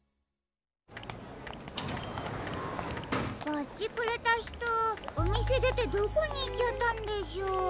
バッジくれたひとおみせでてどこにいっちゃったんでしょう。